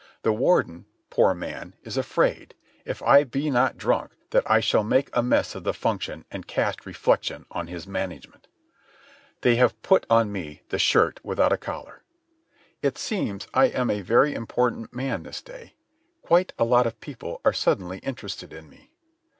The Warden, poor man, is afraid, if I be not drunk, that I shall make a mess of the function and cast reflection on his management ... They have put on me the shirt without a collar. .. It seems I am a very important man this day. Quite a lot of people are suddenly interested in me.